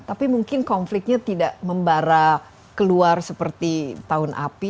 tapi mungkin konfliknya tidak membara keluar seperti tahun api